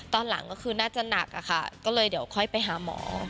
ตอนหลังก็คือน่าจะหนักอะค่ะก็เลยเดี๋ยวค่อยไปหาหมอ